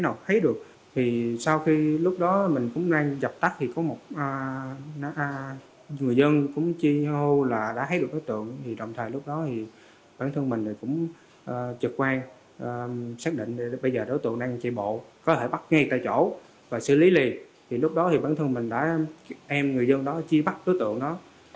người dân cũng chi hô là đã thấy được đối tượng đồng thời lúc đó bản thân mình cũng trực quan xác định bây giờ đối tượng đang chạy bộ có thể bắt ngay tại chỗ và xử lý liền lúc đó bản thân mình đã em người dân đó chi bắt đối tượng đó